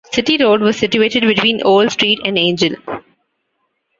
City Road was situated between Old Street and Angel.